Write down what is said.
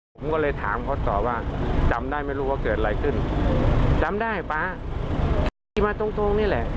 ผมก็เลยถามเขาต่อว่าจำได้ไม่รู้ว่าเกิดอะไรขึ้นจำได้ป๊าขี่มาตรงตรงนี่แหละ